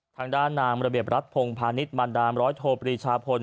ทางด้านนางระเบียบรัฐพงพาณิชย์มันดามร้อยโทปรีชาพล